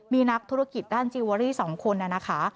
มีนักธุรกิจด้านจิลเวอรี่๒คนนะคะ